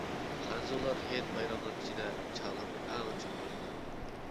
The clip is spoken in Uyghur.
خەنزۇلار ھېيت-بايراملار ئىچىدە چاغاننى ئەڭ چوڭ بىلىدۇ.